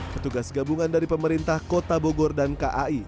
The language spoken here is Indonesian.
petugas gabungan dari pemerintah kota bogor dan kai